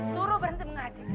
suruh berhenti mengaji